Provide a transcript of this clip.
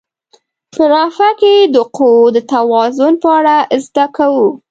په رافعه کې د قوو د توازن په اړه زده کوو.